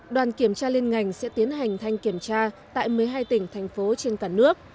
đoàn kiểm tra liên ngành sẽ tiến hành thanh kiểm tra tại một mươi hai tỉnh thành phố trên cả nước